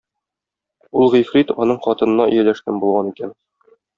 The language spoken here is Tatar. ул Гыйфрит аның хатынына ияләшкән булган икән.